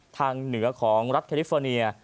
เหนือของรัฐแคลิฟอร์เนีย